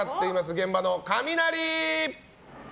現場のカミナリ！